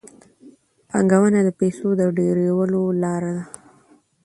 پانګونه د پیسو د ډېرولو لار ده.